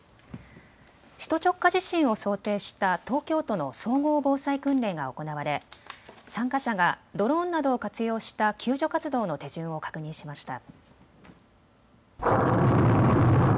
首都直下地震を想定した東京都の総合防災訓練が行われ、参加者がドローンなどを活用した救助活動の手順を確認しました。